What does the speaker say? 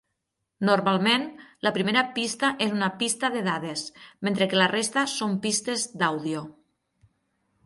Normalment, la primera pista és una pista de dades, mentre que la resta són pistes d'àudio.